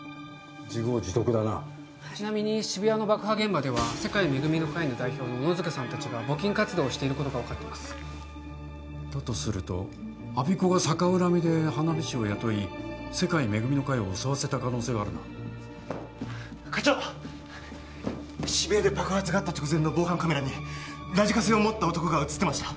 自業自得だなちなみに渋谷の爆破現場では世界恵みの会の代表の小野塚さんたちが募金活動をしていることが分かってますだとすると我孫子が逆恨みで花火師を雇い世界恵みの会を襲わせた可能性があるな課長渋谷で爆発があった直前の防犯カメラにラジカセを持った男が写ってました